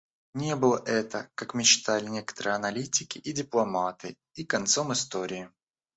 Не было это, как мечтали некоторые аналитики и дипломаты, и концом истории.